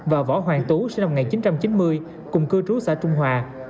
và võ hoàng tú cùng cư trú xã trung hòa